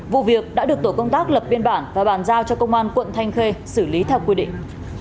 vụ việc đã được tổ công tác lập biên bản và bàn giao cho công an quận thanh khê xử lý theo quy định